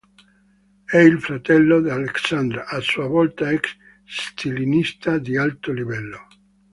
È il fratello di Aleksandr, a sua volta ex slittinista di alto livello.